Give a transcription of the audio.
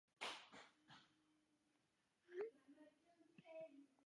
帕拉豹蛛为狼蛛科豹蛛属的动物。